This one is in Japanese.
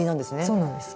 そうなんです。